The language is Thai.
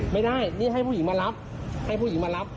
ไม่ได้นี่ให้ผู้หญิงมารับให้ผู้หญิงมารับ